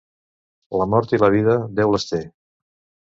La mort i la vida, Déu les té.